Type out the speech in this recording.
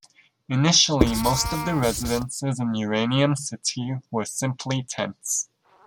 Initially, most of the residences in Uranium City were simply tents.